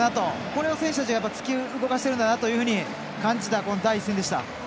これを選手たちが突き動かしているんだなと感じた第１戦でした。